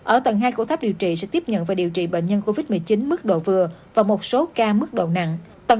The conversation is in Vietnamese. ở tầng hai của tháp điều trị sẽ tiếp nhận và điều trị bệnh nhân covid một mươi chín mức độ vừa